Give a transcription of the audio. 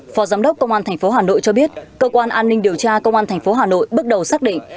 phó giám đốc công an thành phố hà nội cho biết cơ quan an ninh điều tra công an thành phố hà nội bước đầu xác định